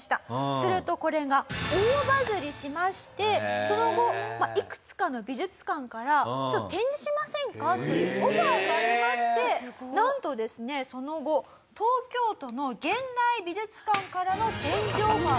するとこれが大バズりしましてその後いくつかの美術館から「展示しませんか？」というオファーがありましてなんとですねその後東京都の現代美術館からの展示オファーがきたと。